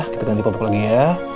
kita ganti popok lagi ya